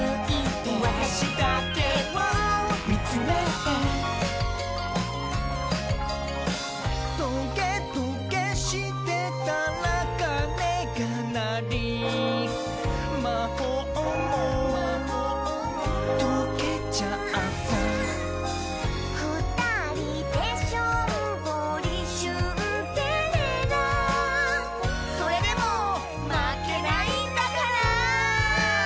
「わたしだけをみつめて」「トゲトゲしてたらかねがなり」「まほうもとけちゃった」「ふたりでしょんぼりシュンデレラ」「それでもまけないんだからー！！」